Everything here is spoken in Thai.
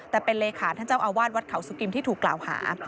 แต่เป็นเลขาท่านเจ้าอาวาสวัดเขาสุกิมที่ถูกกล่าวหา